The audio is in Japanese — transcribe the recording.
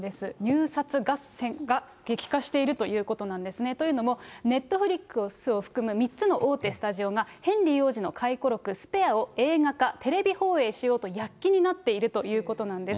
入札合戦が激化しているということなんですね。というのも、ネットフリックスを含む３つの大手スタジオが、ヘンリー王子の回顧録、スペアを映画化、テレビ放映しようと躍起になっているということなんです。